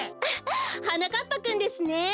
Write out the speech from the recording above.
フッはなかっぱくんですね。